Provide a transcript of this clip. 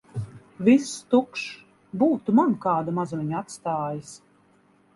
Viss tukšs. Būtu man kādu mazumiņu atstājis!